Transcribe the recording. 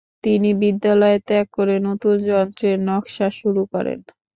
তিনি বিদ্যালয় ত্যাগ করে নতুন যন্ত্রের নকশা শুরু করেন।